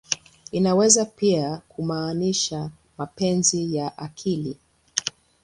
Inaweza pia kumaanisha "mapenzi ya akili.